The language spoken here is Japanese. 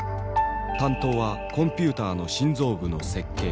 担当はコンピューターの心臓部の設計。